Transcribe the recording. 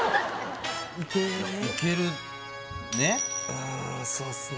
うんそうっすね